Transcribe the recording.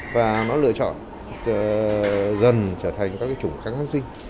và nó lựa chọn dần trở thành các chủng kháng kháng sinh